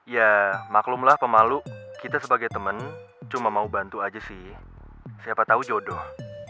ya maklumlah pemalu kita sebagai teman cuma mau bantu aja sih siapa tahu jodoh